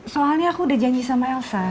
soalnya aku udah janji sama elsa